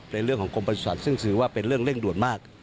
ในเรื่องของกรมบริษัทซึ่งถือว่าเป็นเรื่องเร่งด่วนมาก